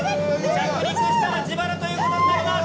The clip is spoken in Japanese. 着陸したら自腹ということになります。